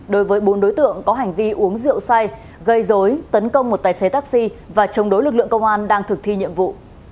đối với bốn đối tượng có hành vi uống rượu say gây dối tấn công một tài xế taxi và chống đối lực lượng công an đang thực thi nhiệm vụ